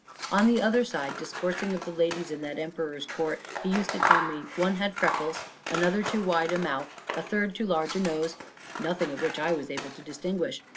On the other side, discoursing of the ladies in that emperor's court, he used to tell me, "one had freckles, another too wide a mouth, a third too large a nose"; nothing of which I was able to distinguish.